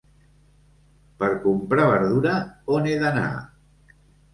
Per comprar verdura, on he d'anar?